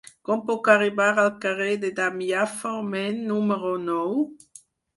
Com puc arribar al carrer de Damià Forment número nou?